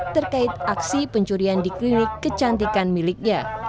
terkait aksi pencurian di klinik kecantikan miliknya